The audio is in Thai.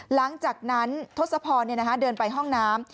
หลังจากนั้นทศพรเดินไปห้องน้ำ